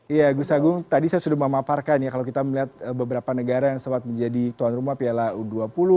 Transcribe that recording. iya gus agung tadi saya sudah memaparkan ya kalau kita melihat beberapa negara yang sempat menjadi tuan rumah piala u dua puluh